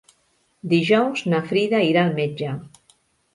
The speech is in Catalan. Dijous na Frida irà al metge.